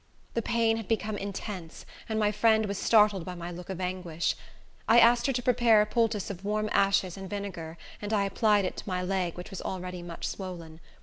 The pain had become intense, and my friend was startled by my look of anguish. I asked her to prepare a poultice of warm ashes and vinegar, and I applied it to my leg, which was already much swollen.